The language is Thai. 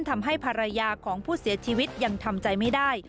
ทำให้ภรรยาของผู้เสียชีวิตยังทำใจไม่ได้